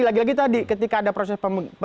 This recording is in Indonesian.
lagi lagi tadi ketika ada proses